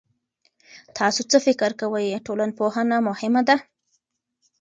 تاسو څه فکر کوئ، ټولنپوهنه مهمه ده؟